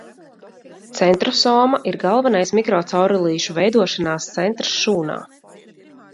Centrosoma ir galvenais mikrocaurulīšu veidošanās centrs šūnā.